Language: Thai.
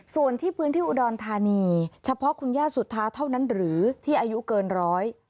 ส่วนที่พื้นที่อุดรธานีเฉพาะคุณย่าสุธาเท่านั้นหรือที่อายุเกินร้อย